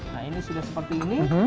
nah ini sudah seperti ini